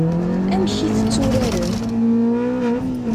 Amek i t-tturaren?